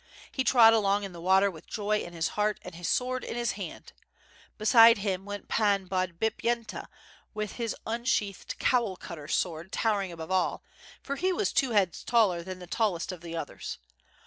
He trod along in the water with joy in his heart and his sword in his hand. Beside him went Pan Bodbipyenta with his un sheathed "Cowl cutter'' sword towering above all, for he was two heads taller than the tallest of the others.